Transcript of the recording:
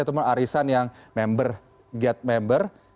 saya teman teman arisan yang member get member